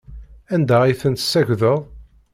Anda ay ten-tessagdeḍ?